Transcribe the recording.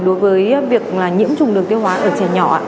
đối với việc nhiễm trùng đường tiêu hóa ở trẻ nhỏ